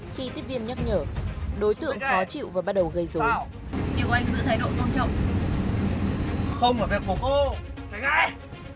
khi tiếp viên nhắc nhở đối tượng khó chịu và bắt đầu gây rối